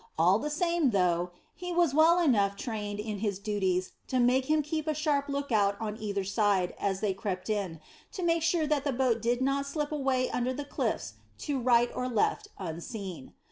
All the same, though, he was well enough trained in his duties to make him keep a sharp look out on either side, as they crept in, to make sure that the boat did not slip away under the cliffs to right or left unseen.